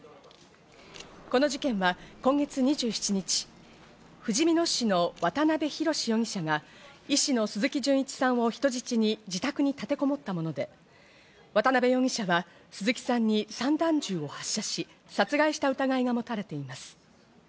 この事件は今月２７日、ふじみ野市の渡辺宏容疑者が医師の鈴木純一さんを人質に自宅に立てこもったもので、渡辺容疑者は鈴木さんに散弾銃を発射し、殺害した疑いが持たれています。